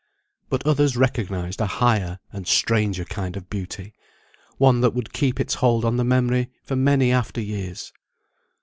But others recognised a higher and stranger kind of beauty; one that would keep its hold on the memory for many after years.